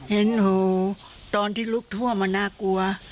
เห็นโหตอนที่ลุกทั่วมันน่ากลัว